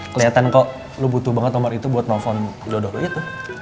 keliatan kok lo butuh banget nomor itu buat nelfon jodohnya tuh